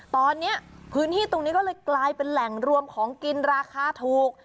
ตอนนี้พื้นที่ตรงนี้ก็เลยกลายเป็นแหล่งรวมของกินราคาถูก